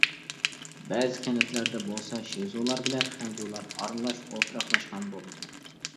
بەزى كەنتلەردە بولسا شېزۇلار بىلەن خەنزۇلار ئارىلاش ئولتۇراقلاشقان بولىدۇ.